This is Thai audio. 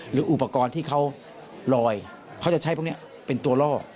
หรืออุปกรณ์ที่เขาลอยเขาจะใช้พวกนี้เป็นตัวล่อ